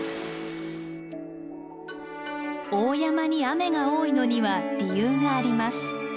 大山に雨が多いのには理由があります。